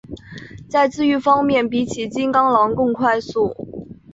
在自愈方面比起金钢狼更快速。